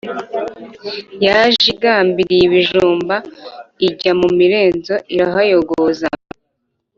Yaje igambiriye ibijumba Ijya mu mirenzo irahayogoza,